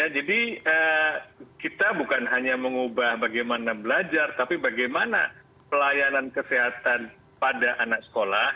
jadi kita bukan hanya mengubah bagaimana belajar tapi bagaimana pelayanan kesehatan pada anak sekolah